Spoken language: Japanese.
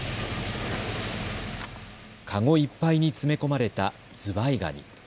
かごいっぱいに詰め込まれたズワイガニ。